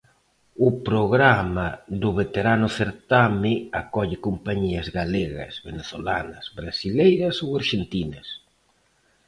O programa do veterano certame acolle compañías galegas, venezolanas, brasileiras ou arxentinas.